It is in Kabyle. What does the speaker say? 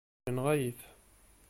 Yenɣa-yi-t.